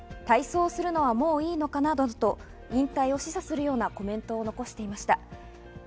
体操をするのはもういいのかななどと引退を示唆するようなコメントを残していました。